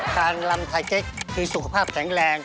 การลำทายเก๊กคือสุขภาพแข็งแรง